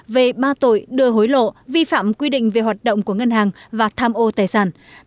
về ba tội đưa hối lộ vi phạm quy định về hoạt động của ngân hàng và tham ô tài sản